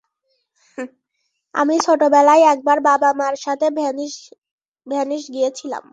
আমি ছোটবেলায় একবার বাবা-মার সাথে ভেনিস গিয়েছিলাম।